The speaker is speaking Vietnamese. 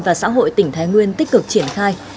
và xã hội tỉnh thái nguyên tích cực triển khai